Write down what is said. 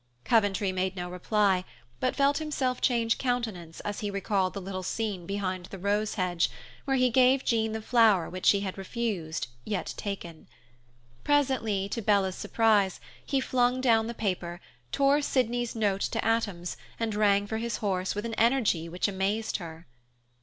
Coventry made no reply, but felt himself change countenance as he recalled the little scene behind the rose hedge, where he gave Jean the flower which she had refused yet taken. Presently, to Bella's surprise, he flung down the paper, tore Sydney's note to atoms, and rang for his horse with an energy which amazed her.